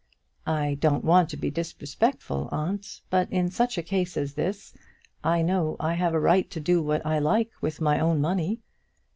"I don't want to be disrespectful, aunt; but in such a case as this I know that I have a right to do what I like with my own money.